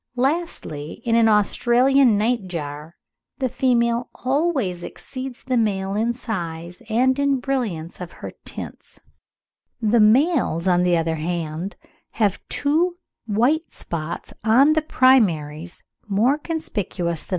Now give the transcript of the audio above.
Lastly, in an Australian night jar "the female always exceeds the male in size and in the brilliance of her tints; the males, on the other hand, have two white spots on the primaries more conspicuous than in the female."